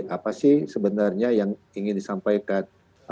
apa sih sebenarnya yang ingin disampaikan